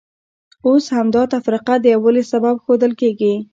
اوس همدا تفرقه د یووالي سبب ښودل کېږي.